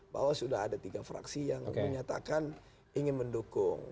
bahwa sudah ada tiga fraksi yang menyatakan ingin mendukung